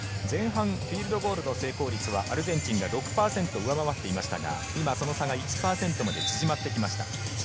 フィールドゴールはアルゼンチンは６％上回っていましたがその差は１％まで、今、縮まってきました。